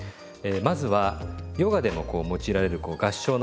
まずはヨガでもこう用いられる合掌のポーズ。